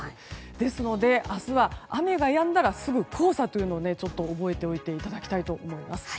ですので明日は雨がやんだらすぐ黄砂ってのを覚えておいていただきたいと思います。